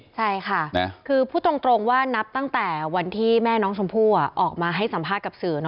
ใช่ค่ะคือพูดตรงว่านับตั้งแต่วันที่แม่น้องชมพู่ออกมาให้สัมภาษณ์กับสื่อ